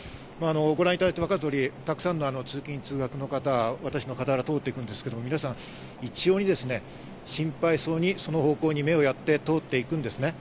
ご覧いただいてわかる通り、たくさんの通勤・通学の方が通っていくんですが、皆さん一様に心配そうに、その方向に目をやって通っていくんですね。